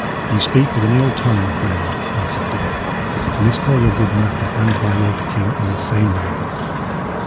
"Ye speak with an ill tongue, friend," answered Dick, "to miscall your good master and my lord the king in the same libel.